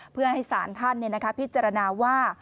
เพื่อให้ศาลธัรฐ์พิจารณาว่า